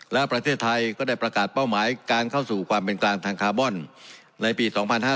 และประเทศไทยก็ได้ประกาศเป้าหมายการเข้าสู่ความเป็นกลางทางคาร์บอนในปี๒๕๕๙